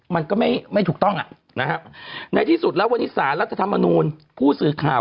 มันก็ไม่ถูกต้องในที่สุดแล้ววันนี้สารรัฐธรรมนูลผู้สื่อข่าว